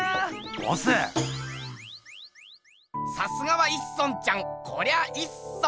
さすがは一村ちゃんこりゃいっそん。